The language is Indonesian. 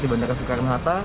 di bandara soekarno hatta